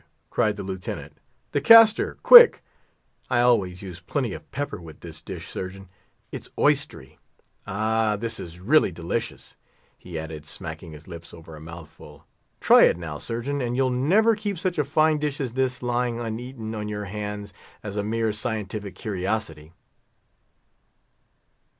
cried the Lieutenant, "the castor—quick! I always use plenty of pepper with this dish, Surgeon; it's oystery. Ah! this is really delicious," he added, smacking his lips over a mouthful. "Try it now, Surgeon, and you'll never keep such a fine dish as this, lying uneaten on your hands, as a mere scientific curiosity."